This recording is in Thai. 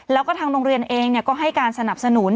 แล้วก็ทางโรงเรียนเองก็ให้การสนับสนุน